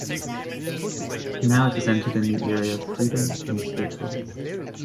Now it has entered a new era of freedom and statehood.